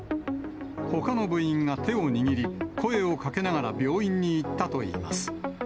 ほかの部員が手を握り、声をかけながら病院に行ったといいます。